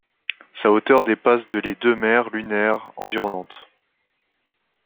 Sa hauteur dépasse de les deux mers lunaires environnantes.